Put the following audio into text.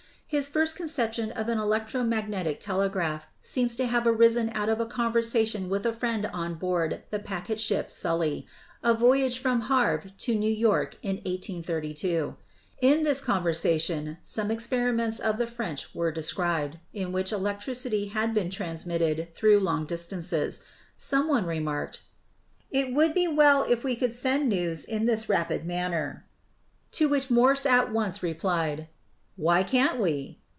His first conception of an electro magnetic tele graph seems to have arisen out of a conversation with a friend on board the packet ship Sully, on a voyage from Havre to New York in 1832. In this conversation some experiments of the French were described, in which elec tricity had been transmitted through long distances. Some one remarked, "It would be well if we could send news in this rapid manner"; to which Morse at once replied, "Why can't we?"